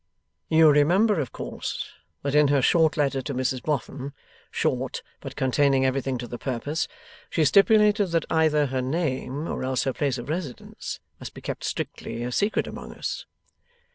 'You remember, of course, that in her short letter to Mrs Boffin short, but containing everything to the purpose she stipulated that either her name, or else her place of residence, must be kept strictly a secret among us.